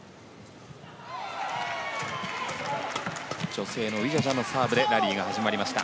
女性のウィジャジャのサーブでラリーが始まりました。